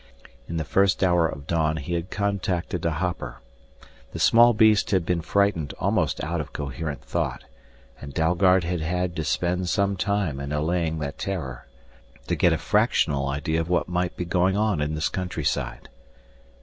In the first hour of dawn he had contacted a hopper. The small beast had been frightened almost out of coherent thought, and Dalgard had had to spend some time in allaying that terror to get a fractional idea of what might be going on in this countryside.